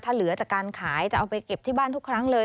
ถ้าเหลือจากการขายจะเอาไปเก็บที่บ้านทุกครั้งเลย